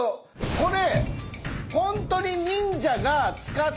これ。